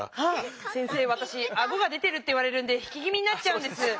先生わたしアゴが出てるって言われるんで引き気みになっちゃうんです。